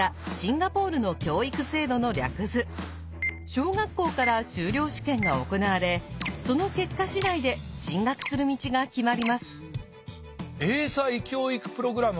小学校から修了試験が行われその結果次第で進学する道が決まります。